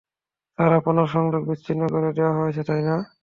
Sir, আপনার সংযোগ বিচ্ছিন্ন করে দেওয়া হয়েছে, তাই না?